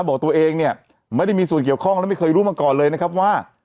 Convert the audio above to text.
บอกตัวเองเนี่ยไม่ได้มีส่วนเกี่ยวข้องและไม่เคยรู้มาก่อนเลยนะครับว่า